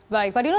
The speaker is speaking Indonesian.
baik pak dino